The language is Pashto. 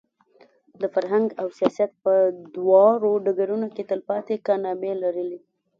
د فرهنګ او سیاست په دواړو ډګرونو کې تلپاتې کارنامې لري.